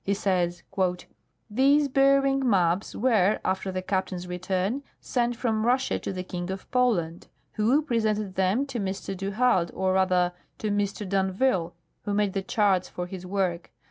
He says : "These Beering maps were, after the captain's return, sent from Russia to the King of Poland, who presented them to Mr. du Halde or, rather, to Mr. d'Anville, who made the charts for his work.